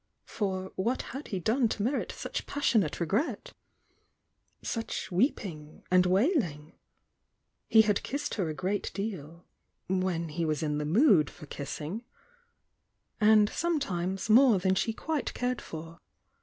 For what had he done to merit such passionate regret? — such weeping and wailing? He had kissed her a great deal (when he was in the mood for kissing), and sometimes more than she quite cared for.